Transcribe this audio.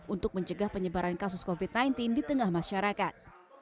untuk mencegah penyebaran kasus covid sembilan belas di tengah masyarakat